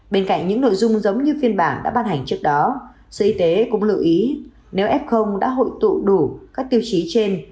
bên cạnh những nội dung giống như phiên bản đã ban hành trước đó sở y tế cũng lưu ý nếu f đã hội tụ đủ các tiêu chí trên